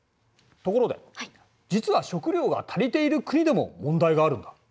ところで実は食料が足りている国でも問題があるんだ。え？